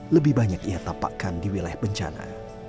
lebih banyak ia tampakkan di wilayah bencana